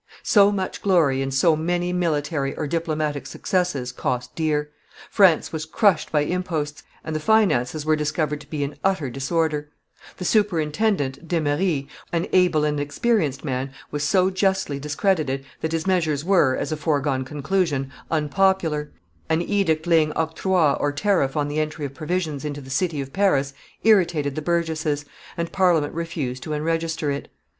So much glory and so many military or diplomatic successes cost dear; France was crushed by imposts, and the finances were discovered to be in utter disorder; the superintendent, D'Emery, an able and experienced man, was so justly discredited that his measures were, as a foregone conclusion, unpopular; an edict laying octroi or tariff on the entry of provisions into the city of Paris irritated the burgesses, and Parliament refused to enregister it.